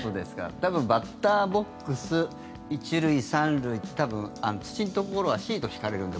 多分、バッターボックス１塁、３塁って多分、土のところはシート敷かれるので。